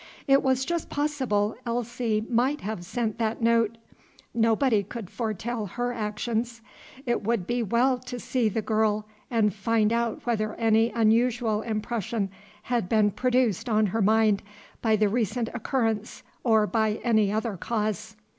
It was just possible Elsie might have sent that note. Nobody could foretell her actions. It would be well to see the girl and find out whether any unusual impression had been produced on her mind by the recent occurrence or by any other cause.